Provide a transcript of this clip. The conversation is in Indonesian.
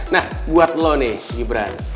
nah buat lo nih gibran